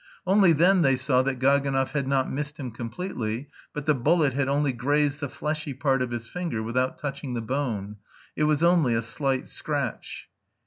Only then they saw that Gaganov had not missed him completely, but the bullet had only grazed the fleshy part of his finger without touching the bone; it was only a slight scratch.